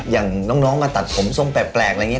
อย่างน้องมาตัดผมส้มแปลกอะไรอย่างนี้